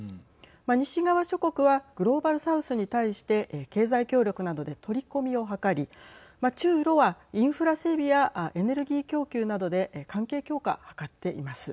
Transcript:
西側諸国はグローバル・サウスに対して経済協力などで取り込みを図り中ロはインフラ整備やエネルギー供給などで関係強化、図っています。